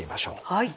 はい。